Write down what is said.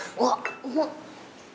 うまっ。